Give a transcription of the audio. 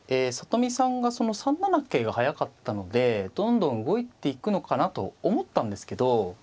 里見さんが３七桂が早かったのでどんどん動いていくのかなと思ったんですけど。